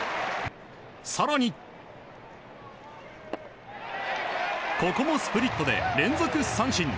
更に、ここもスプリットで連続三振。